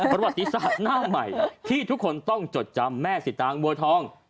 ประวัติศาสตร์หน้าใหม่ที่ทุกคนต้องจดจำแม่สิตางบัวทอง